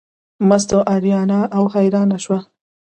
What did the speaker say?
مستو اریانه او حیرانه شوه.